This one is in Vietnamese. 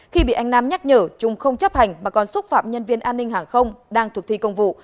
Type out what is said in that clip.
khi bị anh nam nhắc nhở trung không chấp hành mà còn xúc phạm nhân viên an ninh hàng không đang thực thi công vụ